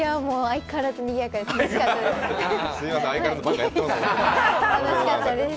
相変わらずにぎやかで楽しかったです。